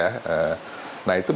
nah itu bisa dihindari